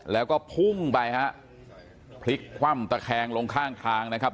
แล้วก็พุ่งไปฮะพลิกคว่ำตะแคงลงข้างทางนะครับ